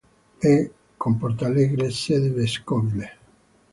È, con Portalegre, sede vescovile.